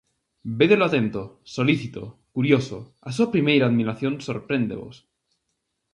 Védelo atento, solícito, curioso; a súa primeira admiración sorpréndevos.